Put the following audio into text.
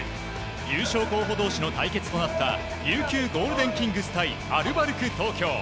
優勝候補同士の対決となった琉球ゴールデンキングス対アルバルク東京。